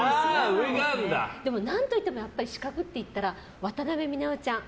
でもなんといっても資格って言ったら渡辺美奈代ちゃん。